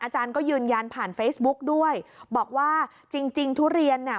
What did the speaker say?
อาจารย์ก็ยืนยันผ่านเฟซบุ๊กด้วยบอกว่าจริงจริงทุเรียนเนี่ย